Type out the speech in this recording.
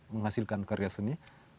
menghasilkan karya seni